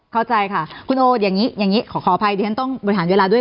เข้าใจค่ะคุณโออย่างนี้อย่างนี้ขออภัยดิฉันต้องบริหารเวลาด้วย